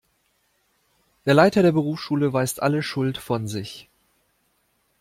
Der Leiter der Berufsschule weist alle Schuld von sich.